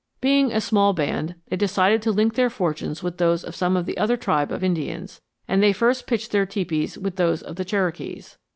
Being a small band, they decided to link their fortunes with those of some other tribe of Indians, and they first pitched their tepees with those of the Cherokees.